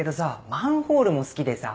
マンホールも好きでさ。